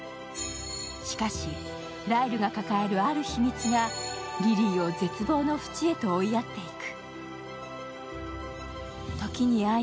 しかし、ライルが抱えるある秘密がリリーを絶望の淵へと追いやっていく。